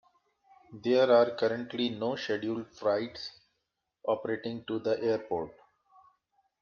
There are currently no scheduled flights operating to the airport.